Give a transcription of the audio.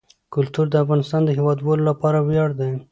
کلتور د افغانستان د هیوادوالو لپاره ویاړ دی.